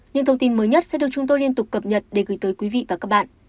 những thông tin mới nhất sẽ được chúng tôi liên tục cập nhật để gửi tới quý vị và các bạn